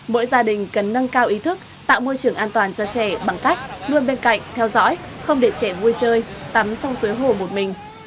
mỗi gia đình cần nâng cao ý thức tạo môi trường an toàn cho trẻ bằng cách luôn bên cạnh theo dõi không để trẻ vui chơi tắm sông suối hồ một mình